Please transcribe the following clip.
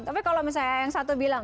tapi kalau misalnya yang satu bilang